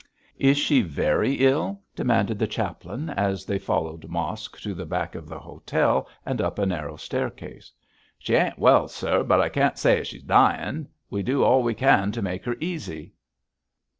'Is she very ill?' demanded the chaplain, as they followed Mosk to the back of the hotel and up a narrow staircase. 'She ain't well, sir, but I can't say as she's dying. We do all we can to make her easy.'